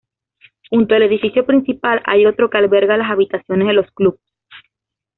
Junto al edificio principal hay otro que alberga las habitaciones de los clubs.